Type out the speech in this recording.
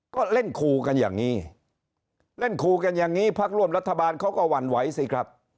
ก็เล่นคู่กันอย่างนี้เล่นคู่กันอย่างนี้พักร่วมรัฐบาลเขาก็หวั่นไหวสิครับ